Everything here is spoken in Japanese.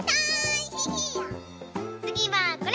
つぎはこれ！